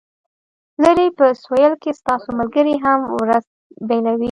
لرې په سویل کې ستاسو ملګري هم ورځ پیلوي